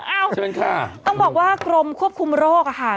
เอ้าเชิญค่ะต้องบอกว่ากรมควบคุมโรคอะค่ะ